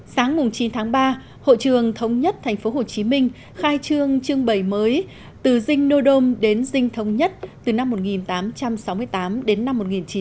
sáng chín tháng ba hội trường thống nhất tp hcm khai trương trưng bày mới từ dinh nodom đến dinh thống nhất từ năm một nghìn tám trăm sáu mươi tám đến năm một nghìn chín trăm bảy mươi